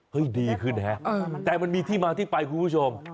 ดีขึ้นฮะแต่มันมีที่มาที่ไปคุณผู้ชม